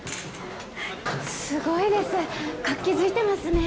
すごいです活気づいてますね